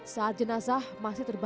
saat jenazah masih terbangun